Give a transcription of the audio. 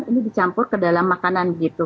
ini dicampur ke dalam makanan begitu